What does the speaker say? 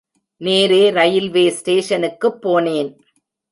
நேரே ரயில்வே ஸ்டேஷனுக்குப் போனேன்.